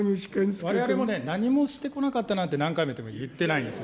われわれも何もしてこなかったなんて、何回も言ってないんですよ。